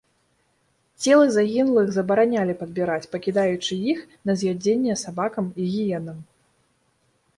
Целы загінулых забаранялі падбіраць, пакідаючы іх на з'ядзенне сабакам і гіенам.